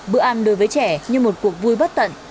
bữa ăn đối với trẻ như một cuộc vui bất tận